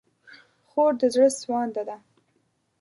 خور د زړه سوانده ده.